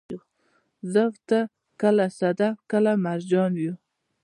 زه او ته، کله صدف، کله مرجان يو